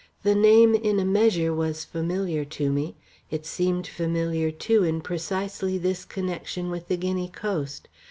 The name in a measure was familiar to me; it seemed familiar too in precisely this connection with the Guinea coast.